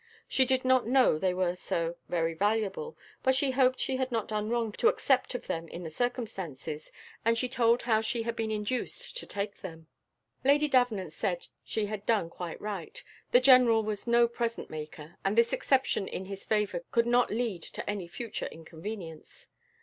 She did not know they were so "very valuable," but she hoped she had not done wrong to accept of them in the circumstances; and she told how she had been induced to take them. Lady Davenant said she had done quite right. The general was no present maker, and this exception in his favour could not lead to any future inconvenience.